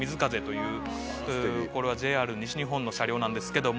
これはＪＲ西日本の車両なんですけども。